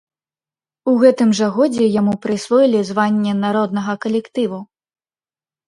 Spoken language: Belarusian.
У гэтым жа годзе яму прысвоілі званне народнага калектыву.